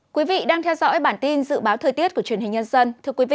quý vị đang theo dõi bản tin dự báo thời tiết của truyền hình nhân dân